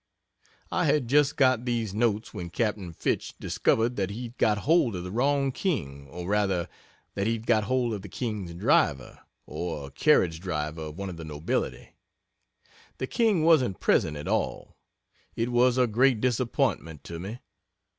I had just got these notes when Cap. Fitch discovered that he'd got hold of the wrong king, or rather, that he'd got hold of the king's driver, or a carriage driver of one of the nobility. The king wasn't present at all. It was a great disappointment to me.